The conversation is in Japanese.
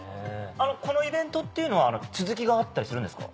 このイベントっていうのは続きがあったりするんですか？